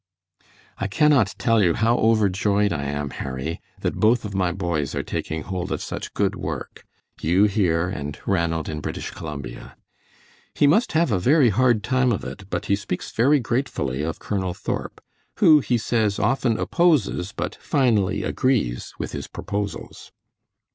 "I cannot tell you how overjoyed I am, Harry, that both of my boys are taking hold of such good work, you here and Ranald in British Columbia. He must have a very hard time of it, but he speaks very gratefully of Colonel Thorp, who, he says, often opposes but finally agrees with his proposals."